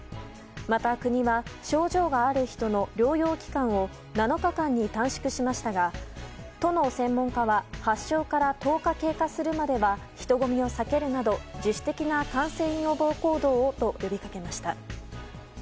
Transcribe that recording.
また、国は症状がある人の療養期間を７日間に短縮しましたが都の専門家は発症から１０日経過するまでは人混みを避けるなど自主的な感染予防行動をと呼びかけました。